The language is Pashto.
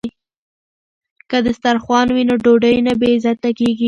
که دسترخوان وي نو ډوډۍ نه بې عزته کیږي.